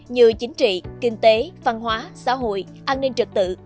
như chính trị kinh tế văn hóa xã hội an ninh trật tự